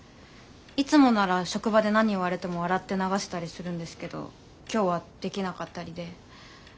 いつもなら職場で何言われても笑って流したりするんですけど今日はできなかったりで。